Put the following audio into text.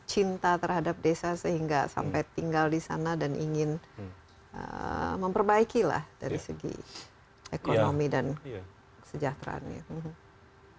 cinta terhadap desa sehingga sampai tinggal di sana dan ingin memperbaiki lah dari segi ekonomi dan kesejahteraannya